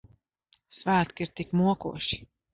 Svētki ir tik mokoši.